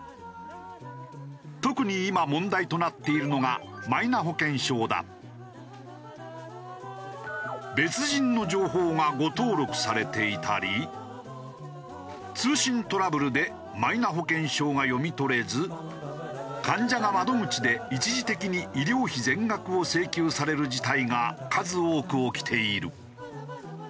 特に今問題となっているのが別人の情報が誤登録されていたり通信トラブルでマイナ保険証が読み取れず患者が窓口で一時的に医療費全額を請求される事態が数多く起きている。